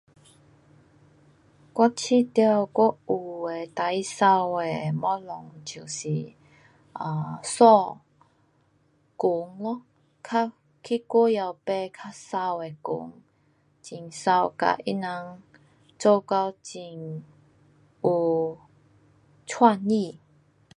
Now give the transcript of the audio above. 我觉得我有的最美的东西就是 um 衣，裙咯，较去贵的买较美的裙。很美给他人做到很有创意。